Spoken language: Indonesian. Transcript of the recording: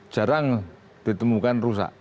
jarang ditemukan rusak